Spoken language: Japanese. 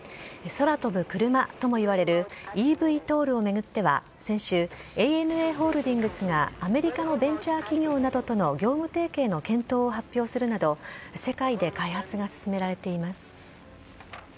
空飛ぶクルマともいわれるｅＶＴＯＬを巡っては、先週、ＡＮＡホールディングスがアメリカのベンチャー企業などとの業務提携の検討を発表するなど、世界で開発が進められています。